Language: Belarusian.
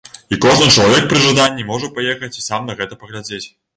І кожны чалавек пры жаданні можа паехаць і сам на гэта паглядзець.